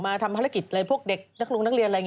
มาทำภารกิจในพวกเด็กเด็กลูกนักเรียนอะไรอย่างนี้